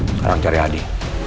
sekarang cari adi